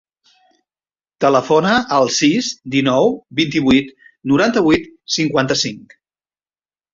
Telefona al sis, dinou, vint-i-vuit, noranta-vuit, cinquanta-cinc.